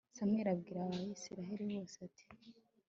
samweli abwira abayisraheli bose, ati